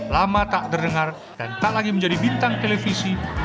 lama tak terdengar dan tak lagi menjadi bintang televisi